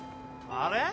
・あれ？